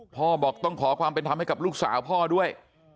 พ่อบอกต้องขอความเป็นธรรมให้กับลูกสาวพ่อด้วย